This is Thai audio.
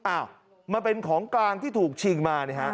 อ้าวมันเป็นของกลางที่ถูกชิงมา